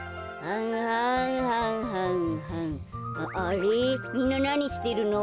あれみんななにしてるの？